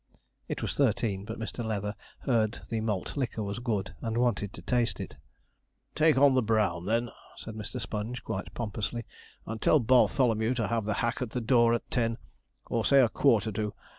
It was thirteen, but Mr. Leather heard the malt liquor was good and wanted to taste it. 'Take on the brown, then,' said Mr. Sponge, quite pompously;' and tell Bartholomew to have the hack at the door at ten or say a quarter to.